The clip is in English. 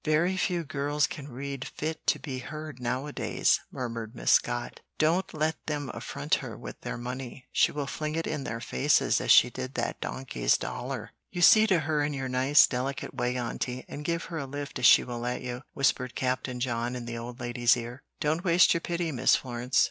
"Very few girls can read fit to be heard now a days," murmured Miss Scott. "Don't let them affront her with their money; she will fling it in their faces as she did that donkey's dollar. You see to her in your nice, delicate way, Aunty, and give her a lift if she will let you," whispered Captain John in the old lady's ear. "Don't waste your pity, Miss Florence.